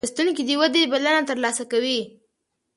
لوستونکی د ودې بلنه ترلاسه کوي.